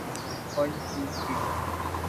One, two, free!